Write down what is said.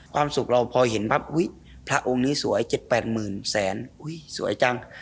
ความสุขเราพอเห็นคราวพระองค์นี้สวยจดประมาณ๗หมื่นแสนสวยจัง